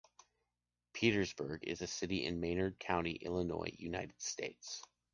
Petersburg is a city in Maynard County, Illinois, United States.